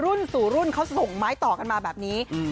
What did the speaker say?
รุ่นสู่รุ่นเขาส่งไม้ต่อกันมาแบบนี้